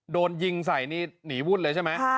โดนยิงใส่นี่หนีวุ่นเลยใช่ไหม